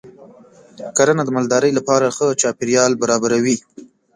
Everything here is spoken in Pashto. کرنه د مالدارۍ لپاره ښه چاپېریال برابروي.